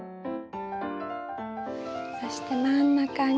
そして真ん中に。